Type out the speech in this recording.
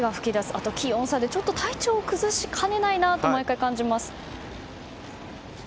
あと、気温差で体調を崩しかねないなと毎回感じます。